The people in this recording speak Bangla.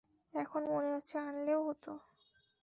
এখন মনে হচ্ছে আনলেও হত!